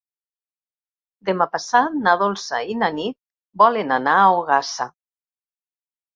Demà passat na Dolça i na Nit volen anar a Ogassa.